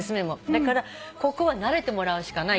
だからここは慣れてもらうしかないって。